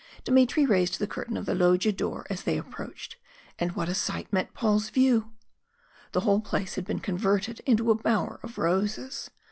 Dmitry raised the curtain of the loggia door as they approached, and what a sight met Paul's view! The whole place had been converted into a bower of roses.